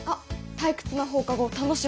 「退屈な放課後を楽しもう！」。